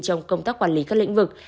trong công tác quản lý các lĩnh vực